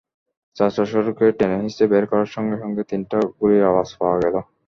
চাচা শ্বশুরকে টেনেহিঁচড়ে বের করার সঙ্গে সঙ্গে তিনটা গুলির আওয়াজ পাওয়া গেল।